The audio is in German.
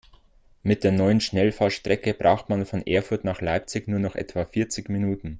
Mit der neuen Schnellfahrstrecke braucht man von Erfurt nach Leipzig nur noch etwa vierzig Minuten